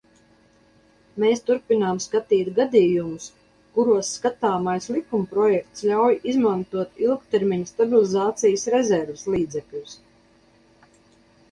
Mēs turpinām skatīt gadījumus, kuros skatāmais likumprojekts ļauj izmantot ilgtermiņa stabilizācijas rezerves līdzekļus.